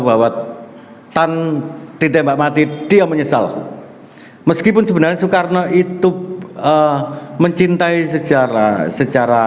bahwa tan ditembak mati dia menyesal meskipun sebenarnya soekarno itu mencintai sejarah secara